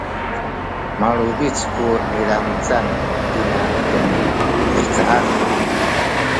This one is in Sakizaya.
malubic ku nilangec tina mihcaan